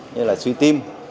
như suy tim